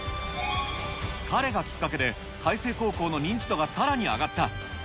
彼がきっかけで、開成高校の認知度がさらに上がった。